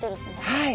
はい。